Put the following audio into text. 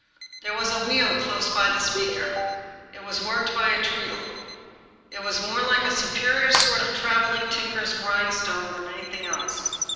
There was a wheel close by the speaker. It was worked by a treadle. It was more like a superior sort of traveling tinker's grindstone than anything else.